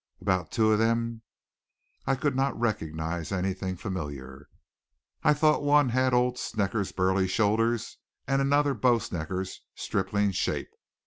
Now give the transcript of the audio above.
About two of them I could not recognize anything familiar. I thought one had old Snecker's burly shoulders and another Bo Snecker's stripling shape.